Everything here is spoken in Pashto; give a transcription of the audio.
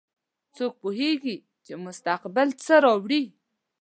څوک پوهیږي چې مستقبل څه راوړي